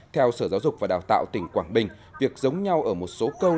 theo sở giáo dục và đào tạo tỉnh quảng bình việc giống nhau ở một số câu